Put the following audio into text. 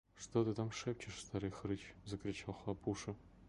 – Что ты там шепчешь, старый хрыч? – закричал Хлопуша.